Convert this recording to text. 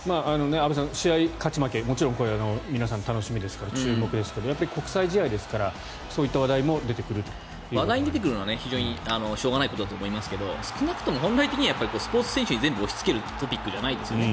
安部さん試合、勝ち負けはもちろん、楽しみですから注目ですけど国際試合ですから話題が出てくるのは非常にしょうがないことだと思いますが少なくとも本来的にはスポーツ選手に全部押しつけるトピックじゃないですよね。